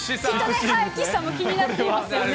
岸さんも気になっていますよね。